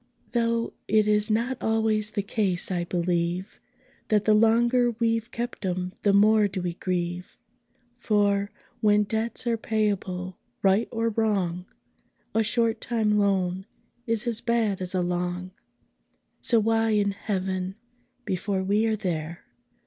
Though it is not always the case, I believe, That the longer we've kept 'em, the more do we grieve: For, when debts are payable, right or wrong, A short time loan is as bad as a long So why in Heaven (before we are there!)